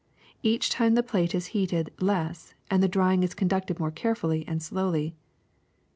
Each time the plate is heated less and the drying is conducted more care fully and slowly.